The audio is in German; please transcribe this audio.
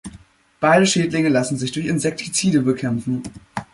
Beide Schädlinge lassen sich durch Insektizide bekämpfen.